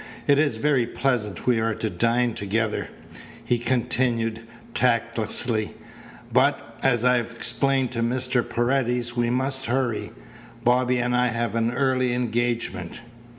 "It is very pleasant we are to dine together." He continued tactlessly: "But, as I've explained to Mr. Paredes, we must hurry. Bobby and I have an early engagement."